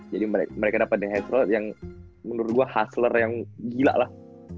jadi mereka dapet deh hazrel yang menurut gua hustler yang gila lah